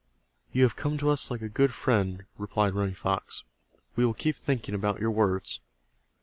"You have come to us like a good friend," replied Running Fox. "We will keep thinking about your words."